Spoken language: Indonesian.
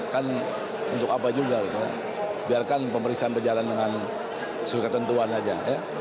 kan untuk apa juga biarkan pemeriksaan berjalan dengan sesuai ketentuan aja